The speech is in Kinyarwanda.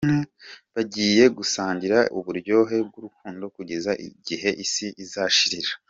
Bagiye gusangira uburyohe bw’urukundo kugeza igihe isi izashirira.